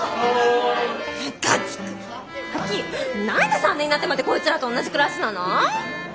何で３年になってまでこいつらと同じクラスなの？